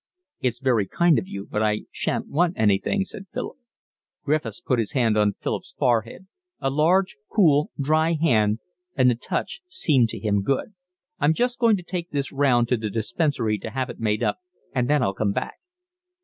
"It's very kind of you, but I shan't want anything," said Philip. Griffiths put his hand on Philip's forehead, a large cool, dry hand, and the touch seemed to him good. "I'm just going to take this round to the dispensary to have it made up, and then I'll come back."